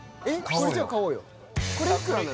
これじゃ買おうよ